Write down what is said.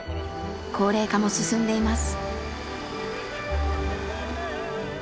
高齢化も進んでいます。